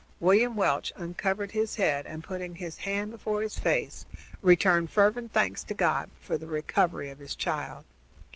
William Welch uncovered his head and, putting his hand before his face, returned fervent thanks to God for the recovery of his child.